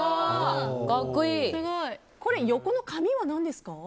横の紙は何ですか？